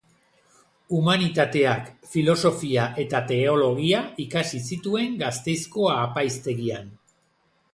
Humanitateak, Filosofia eta Teologia ikasi zituen Gasteizko Apaiztegian.